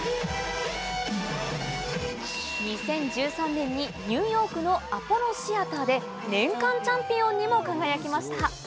２０１３年にニューヨークのアポロシアターで年間チャンピオンにも輝きました。